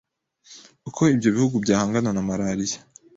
uko ibyo bihugu byahangana na Malaria